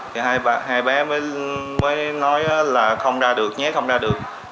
thì hai bé mới nói là không ra được nhé không ra được